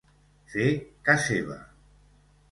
Fer ca seva.